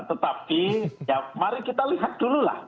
tetapi ya mari kita lihat dulu lah